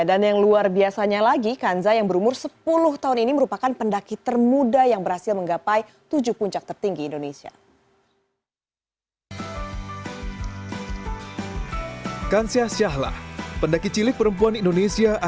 dan yang luar biasanya lagi kansah yang berumur sepuluh tahun ini merupakan pendaki termuda yang berhasil menggapai tujuh puncak tertinggi di indonesia